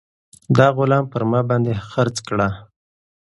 دا غلام پر ما باندې خرڅ کړه.